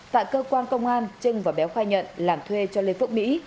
tại cơ quan công an trưng và béo khai nhận làm thuê cho lê phước mỹ